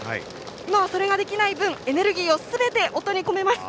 今は、それができない分エネルギーをすべて音に込めます。